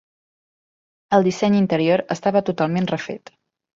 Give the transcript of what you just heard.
El disseny interior estava totalment refet.